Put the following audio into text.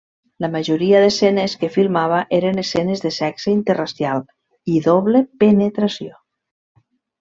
La majoria d'escenes que filmava eren escenes de sexe interracial i doble penetració.